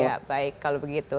ya baik kalau begitu